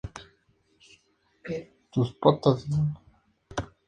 Arlequín pasea con una máscara por un jardín.